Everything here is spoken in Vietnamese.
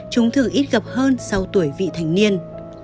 chúng thường ít gặp hơn sau tuổi vị thành niên